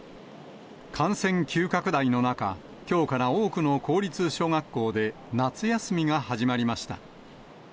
感染急拡大の中、きょうから多くの公立小学校で夏休みが始まりました。